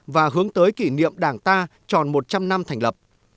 và hướng tới kỷ niệm đảng ta tròn một trăm linh năm thành lập